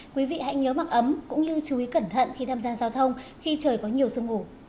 quý vị hãy nhớ mặc ấm cũng như chú ý cẩn thận khi tham gia giao thông khi trời có nhiều sương ngủ